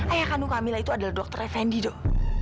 ayah kandung kamila itu adalah dokter effendi doh